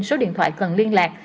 số điện thoại cần liên lạc